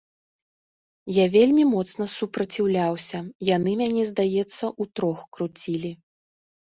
Я вельмі моцна супраціўляўся, яны мяне, здаецца, утрох круцілі.